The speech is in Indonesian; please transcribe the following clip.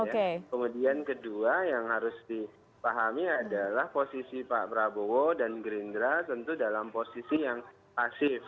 kemudian kedua yang harus dipahami adalah posisi pak prabowo dan gerindra tentu dalam posisi yang pasif